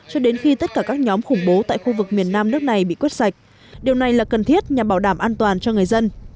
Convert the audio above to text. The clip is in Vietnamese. cho đến khi tất cả các nhóm khủng bố tại khu vực miền nam nước này bị quất sạch điều này là cần thiết nhằm bảo đảm an toàn cho người dân